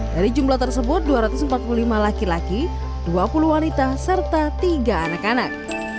dari jumlah tersebut dua ratus empat puluh lima laki laki dua puluh wanita serta tiga anak anak